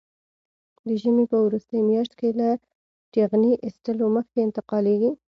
د ژمي په وروستۍ میاشت کې له ټېغنې ایستلو مخکې انتقالېږي.